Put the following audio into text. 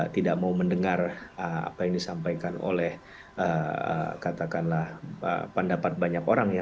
tidak mau mendengar apa yang disampaikan oleh katakanlah pendapat banyak orang ya